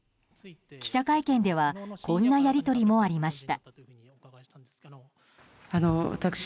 記者会見ではこんなやり取りもありました。